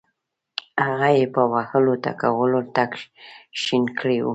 هغه یې په وهلو ټکولو تک شین کړی وو.